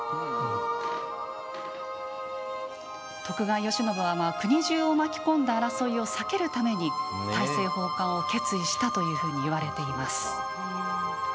徳川慶喜は国じゅうを巻き込んだ争いを避けるために大政奉還を決意したというふうにいわれています。